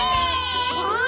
わあ